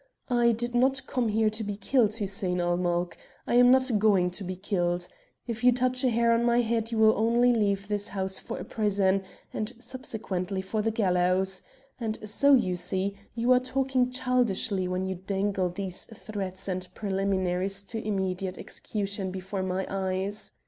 I did not come here to be killed, Hussein ul Mulk. I am not going to be killed. If you touch a hair of my head you will only leave this house for a prison, and subsequently for the gallows. And so, you see, you are talking childishly when you dangle these threats and preliminaries to immediate execution before my eyes.